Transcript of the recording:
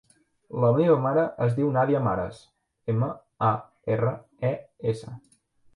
La meva mare es diu Nàdia Mares: ema, a, erra, e, essa.